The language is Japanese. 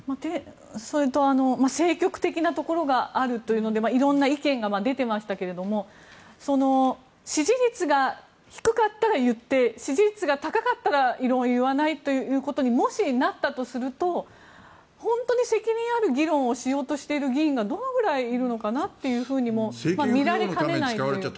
それと政局的なところがあるというので色んな意見が出ていましたが支持率が低かったら言って支持率が高かったら異論を言わないということにもしなったとすると本当に責任ある議論をしようとしている議員がどのぐらいいるのかなというふうにも見られかねないというか。